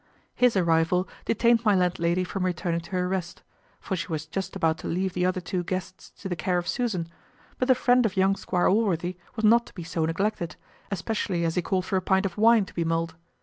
His arrival detained my landlady from returning to her rest; for she was just about to leave the other two guests to the care of Susan; but the friend of young Squire Allworthy was not to be so neglected, especially as he called for a pint of wine to be mulled.